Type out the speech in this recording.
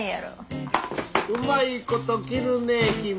うまいこと切るね君。